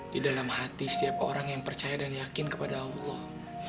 di dalam hati setiap orang yang percaya dan yakin kepada allah